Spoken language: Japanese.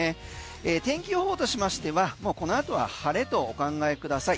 天気予報としましてはこのあとは晴れとお考えください。